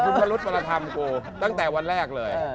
คุณพระรุษวรธรรมกูตั้งแต่วันแรกเลย